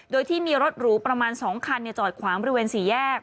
โดยที่มีรถหรูประมาณ๒คันจอดขวางบริเวณ๔แยก